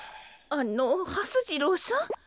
あのはす次郎さん？